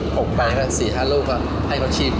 ผมไปแค่๔๕ลูกให้เขาชิม